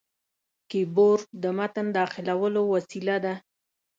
کیبورډ د متن داخلولو وسیله ده.